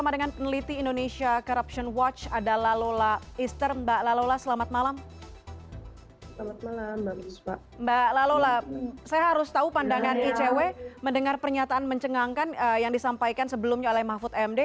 mbak lala saya harus tahu pandangan icw mendengar pernyataan mencengangkan yang disampaikan sebelumnya oleh mahfud md